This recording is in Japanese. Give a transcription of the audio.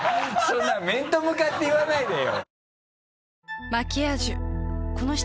そんな面と向かって言わないでよ